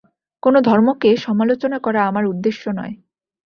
কোন ধর্মকে সমালোচনা করা আমার উদ্দেশ্য নয়।